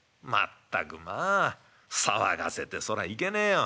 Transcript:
「全くまあ騒がせてそらいけねえよ。